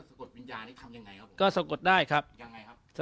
กดวิญญาณนี่ทำยังไงครับก็สะกดได้ครับยังไงครับ